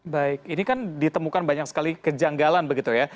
baik ini kan ditemukan banyak sekali kejanggalan begitu ya